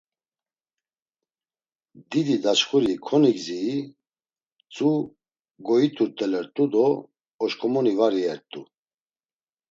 Didi daçxuri konigziyi, mtzu goyt̆urt̆olert̆u do oşǩomoni var iyert̆u.